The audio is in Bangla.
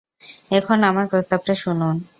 এখন আমার প্রস্তাবটা শুনুন।